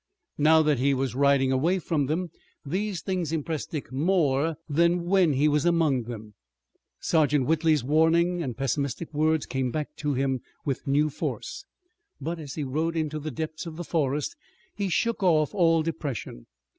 Now that he was riding away from them, these things impressed Dick more than when he was among them. Sergeant Whitley's warning and pessimistic words came back to him with new force, but, as he rode into the depths of the forest, he shook off all depression.